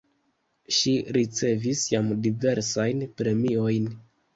Ŝi ricevis jam diversajn premiojn.